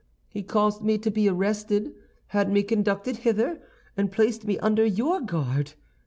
He caused me to be arrested, had me conducted hither, and placed me under your guard.